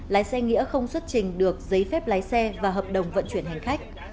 lái xe nghĩa không xuất trình được giấy phép lái xe và hợp đồng vận chuyển hành khách